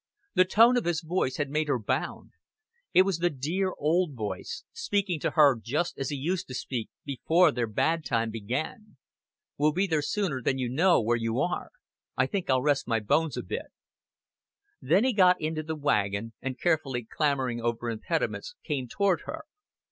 The tone of his voice had made her heart bound. It was the dear old voice, speaking to her just as he used to speak before their bad time began. "We'll be there sooner than you know where you are. I think I'll rest my bones a bit." Then he got into the wagon, and carefully clambering over impediments came toward her.